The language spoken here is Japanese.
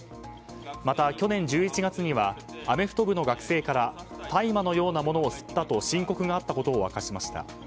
また去年１１月にはアメフト部の学生から大麻のようなものを吸ったと申告があったことを明かしました。